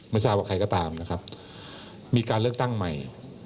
ไม่ทราบว่าใครก็ตามนะครับมีการเลือกตั้งใหม่